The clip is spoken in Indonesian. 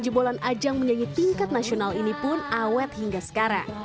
jebolan ajang menyanyi tingkat nasional ini pun awet hingga sekarang